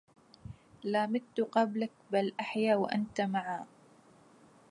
لا مت قبلك بل أحيا وأنت معا